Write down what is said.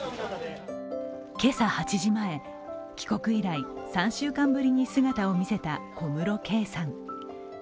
今朝８時前、帰国以来３週間ぶりに姿を見せた小室圭さん。